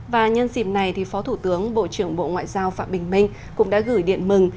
và nhân dịp này phó thủ tướng bộ trưởng bộ ngoại giao phạm bình minh cũng đã gửi điện mừng